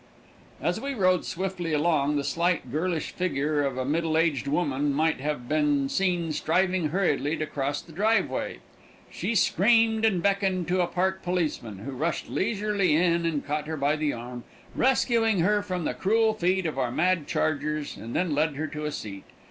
As we rode swiftly along, the slight, girlish figure of a middle aged woman might have been seen striving hurriedly to cross the driveway. She screamed and beckoned to a park policeman, who rushed leisurely in and caught her by the arm, rescuing her from the cruel feet of our mad chargers, and then led her to a seat.